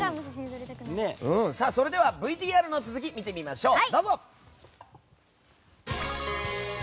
それではＶＴＲの続き見てみましょう。